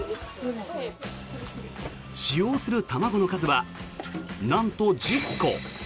使用する卵の数はなんと１０個。